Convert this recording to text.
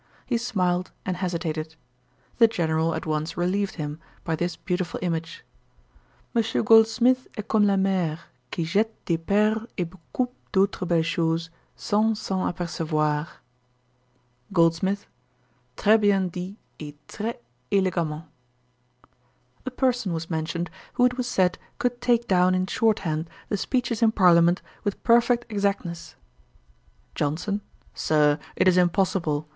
He smiled and hesitated. The General at once relieved him, by this beautiful image: 'Monsieur Goldsmith est comme la mer, qui jette des perles et beau coup d'autres belle choses, sans s'en appercevoir.' GOLDSMITH. 'Très bien dit et très elegamment.' A person was mentioned, who it was said could take down in short hand the speeches in parliament with perfect exactness. JOHNSON. 'Sir, it is impossible.